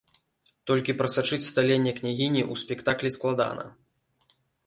Толькі прасачыць сталенне княгіні ў спектаклі складана.